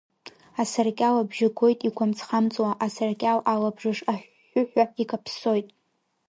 Асаркьал абжьы гоит игәамҵ-хамҵуа, асаркьал алабжыш аҳәҳәыҳәа икаԥсоит.